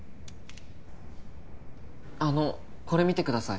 あのこれ見てください